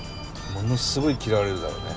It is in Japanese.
ものすごい嫌われるだろうね。